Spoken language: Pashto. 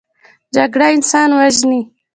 جګړه انسان وژني